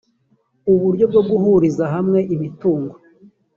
uburyo bwo guhuriza hamwe imitungo